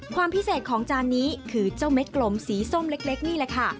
ความพิเศษของจานนี้คือเจ้าเม็ดกลมสีส้มเล็กนี่แหละค่ะ